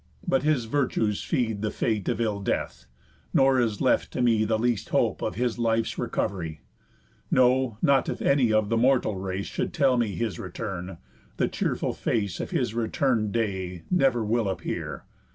But his virtues feed The fate of ill death; nor is left to me The least hope of his life's recovery, No, not if any of the mortal race Should tell me his return; the cheerful face Of his return'd day never will appear.